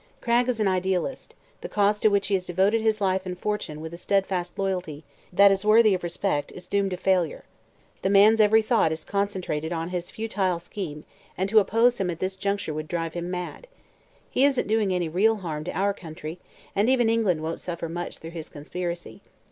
Cragg is an idealist; the cause to which he has devoted his life and fortune with a steadfast loyalty that is worthy of respect, is doomed to failure. The man's every thought is concentrated on his futile scheme and to oppose him at this juncture would drive him mad. He isn't doing any real harm to our country and even England won't suffer much through his conspiracy.